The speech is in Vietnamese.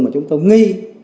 mà chúng ta nghi